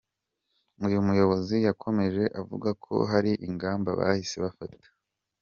Uyu muyobozi yakomeje avuga ko hari ingamba bahise bafata.